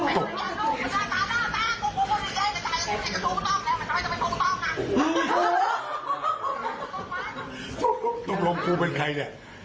ตกลงกูเป็นใครเนี่ย